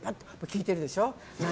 聞いてるでしょ。